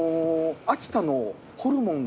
秋田のホルモンが。